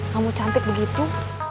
kamu cantik begitu